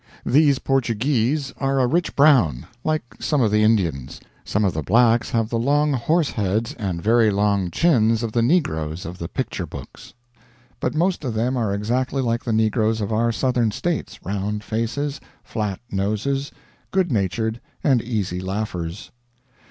These Portuguese are a rich brown, like some of the Indians. Some of the blacks have the long horse heads and very long chins of the negroes of the picture books; but most of them are exactly like the negroes of our Southern States round faces, flat noses, good natured, and easy laughers.